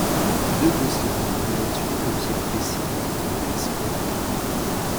Deux grosses larmes roulèrent sous les paupières baissées de la comtesse Aurélie.